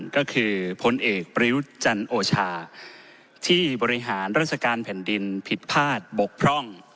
ก็คือพลเอกประยุทธ์จันโอชาที่บริหารราชการแผ่นดินผิดพลาดบกพร่อง